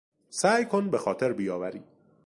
سعی کن به خاطر بیاوری.